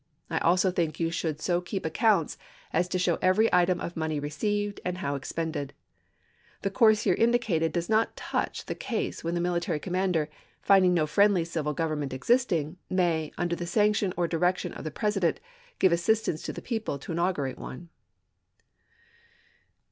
I also think you should so keep accounts as to show every item of money received and how expended. The course here indicated does not touch the case when the military commander, finding no friendly civil govern ment existing, may, under the sanction or direction of the President, give assistance to the people to inaugurate u Ms.ap one.